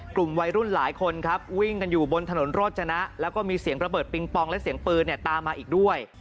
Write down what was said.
กลุ่มวัยรุ่นหลายคนครับวิ่งกันอยู่บนถนนโรจนะแล้วก็มีเสียงระเบิดปิงปองและเสียงปืนตามมาอีกด้วย